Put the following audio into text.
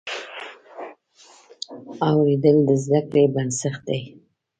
اورېدل د زده کړې بنسټ دی.